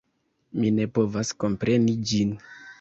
Mi ne povas kompreni ĝin!